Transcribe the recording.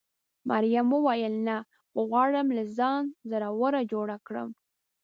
مريم وویل: نه، خو غواړم له ځانه زړوره جوړه کړم.